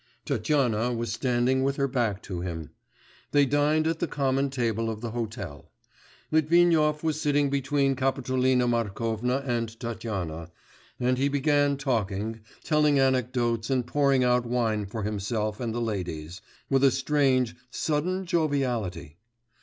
Tatyana was standing with her back to him. They dined at the common table of the hotel. Litvinov was sitting between Kapitolina Markovna and Tatyana, and he began talking, telling anecdotes and pouring out wine for himself and the ladies, with a strange, sudden joviality.